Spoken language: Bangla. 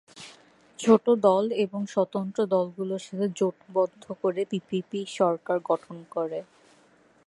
ছোট দল এবং স্বতন্ত্র দলগুলোর সাথে জোটবদ্ধ করে পিপিপি সরকার গঠন করে।